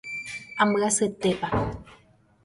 Ambyasyetépa.